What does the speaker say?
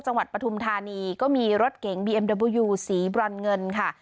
จังหวัดปฐุมธานีก็มีรถเก๋งบีเอ็มเดอวูสีบรรเงินค่ะ